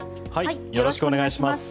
よろしくお願いします。